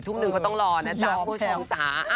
ทุ่มหนึ่งเขาต้องรอนะจ๊ะผู้ชมจ๋าอ้าว